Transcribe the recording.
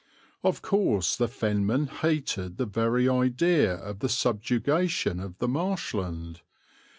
Of course the Fenmen hated the very idea of the subjugation of the Marshland.